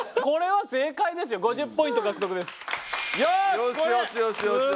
これは正解ですよ。